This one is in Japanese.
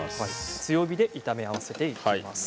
強火で炒め合わせていきます。